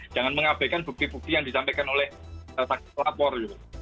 jangan mengabaikan bukti bukti yang disampaikan oleh saksi pelapor gitu